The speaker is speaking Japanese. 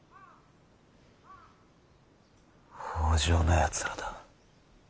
北条のやつらだ。